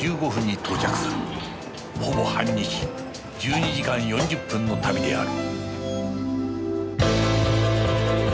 ほぼ半日１２時間４０分の旅である